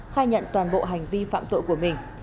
khai nhận toàn bộ hành vi phạm tội của mình